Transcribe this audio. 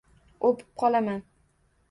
O'pib qolaman.